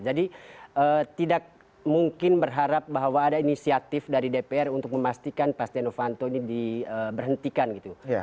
jadi tidak mungkin berharap bahwa ada inisiatif dari dpr untuk memastikan pak stenovanto ini diberhentikan gitu